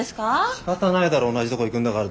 しかたないだろ同じとこ行くんだから。